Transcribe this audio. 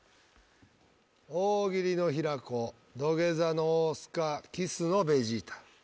大喜利の平子土下座の大須賀キスのベジータ。